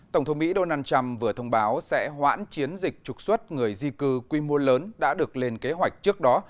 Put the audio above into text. tổng thống mỹ donald trump vừa thông báo sẽ hoãn chiến dịch trục xuất người di cư quy mô lớn đã được lên kế hoạch trước đó